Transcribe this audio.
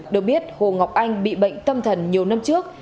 được biết hồ ngọc anh bị bệnh tâm thần nhiều năm trước